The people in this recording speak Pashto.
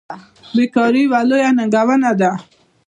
بیکاري یوه لویه ننګونه ده.